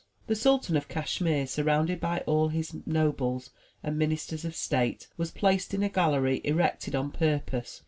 The Sultan of Cashmere, surrounded by all his nobles and ministers of state, was placed in a gallery erected on purpose.